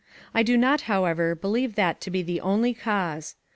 I do not, however, believe that to be the only cause.